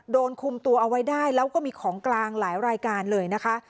โดนคุมตัวเอาไว้ได้แล้วก็มีของกลางหลายรายการเลยนะคะ